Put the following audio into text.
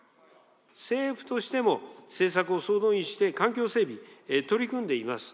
政府としても、政策を総動員して環境整備、取り組んでいます。